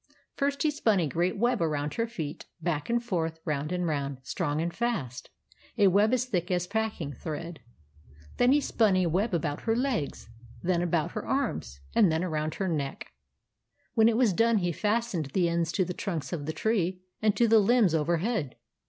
First, he spun a great web around her feet, back and forth, round and round, strong and fast, — a web as thick as a packing thread. Then he spun a web about her legs, then about her arms, and then around her neck. When it was done, he fastened the ends to the trunks of the tree and to the limbs over head.